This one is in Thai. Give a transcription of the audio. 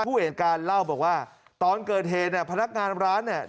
ผู้เหตุการณ์เล่าบอกว่าตอนเกิดเหตุเนี่ยพนักงานร้านเนี่ย